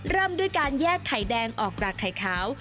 เริ่มด้วยการแยกไข่แดงออกจากไข่ขาว